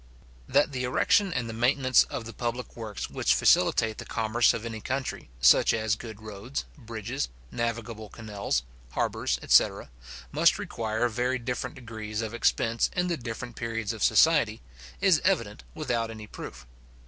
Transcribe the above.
That the erection and maintenance of the public works which facilitate the commerce of any country, such as good roads, bridges, navigable canals, harbours, etc. must require very different degrees of expense in the different periods of society, is evident without any proof.